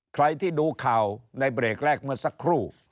ใครที่ดูข่าวในเบรกแรกเมื่อสักครู่